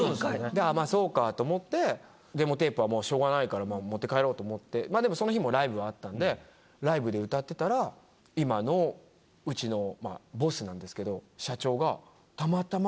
で「まぁそうか」と思ってデモテープはもうしょうがないから持って帰ろうと思ってでもその日もライブあったんでライブで歌ってたら今のうちのボスなんですけど。